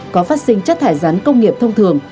có phát sinh chất thải rắn công nghiệp thông thường